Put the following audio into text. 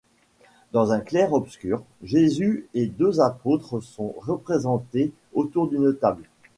Dans un clair obscur, Jésus et deux apôtres sont représentés autour d'une table.